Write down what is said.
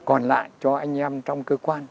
còn lại cho anh em trong cơ quan